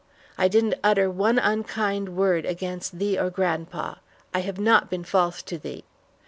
I didn't utter one unkind word against thee or grandpa. I have not been false to thee.